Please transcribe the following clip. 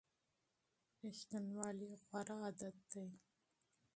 ریښتینولي غوره عادت دی.